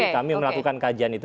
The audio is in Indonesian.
kami melakukan kajian itu